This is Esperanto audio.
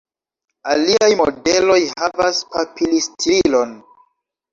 Aliaj modeloj havas papili-stirilon.